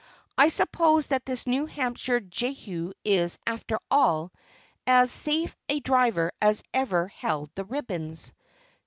I suppose that this New Hampshire Jehu is, after all, as safe a driver as ever held the ribbons.